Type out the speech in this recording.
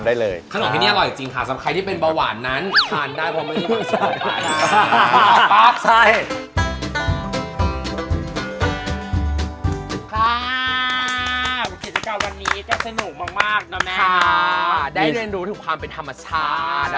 ได้เรียนรู้ถึงความเป็นธรรมชาติ